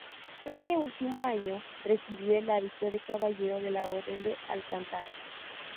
En este último año recibió el hábito de caballero de la Orden de Alcántara.